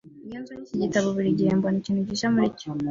Iyo nsomye iki gitabo, burigihe mbona ikintu gishya muri cyo.